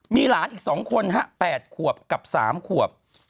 มีหลานอีก๒คน๘ขวบกับ๓ขวบ